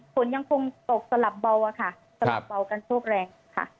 ฝนยังคงตกสลับเบาอะค่ะสลับเบากันโชคแรงค่ะ